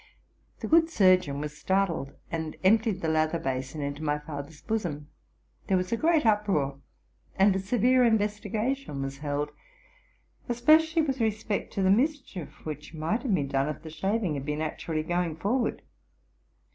The good surgeon was startled, and emptied the lather basin into my father's bosom. There was a great uproar; and a severe investigation was held, especially with respect to the mischief which might have been done if the shaving had been actually going forward.